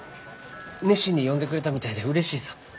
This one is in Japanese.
熱心に読んでくれたみたいでうれしいさ。